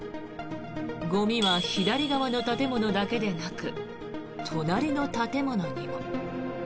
ゴミは左側の建物だけでなく隣の建物にも。